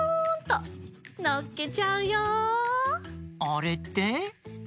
あれって？